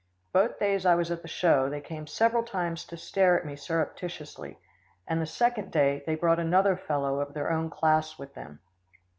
Both days I was at the show, they came several times to stare at me surreptitiously, and the second day, they brought another fellow of their own class with them.